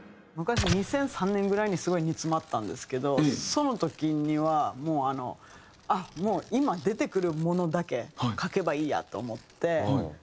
昔２００３年ぐらいにすごい煮詰まったんですけどその時にはもうあのあっもう今出てくるものだけ書けばいいやと思って。